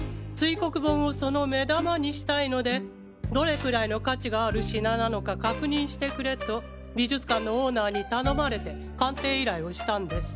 黒盆をその目玉にしたいのでどれぐらいの価値がある品なのか確認してくれと美術館のオーナーに頼まれて鑑定依頼をしたんです。